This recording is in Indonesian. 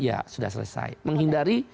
ya sudah selesai menghindari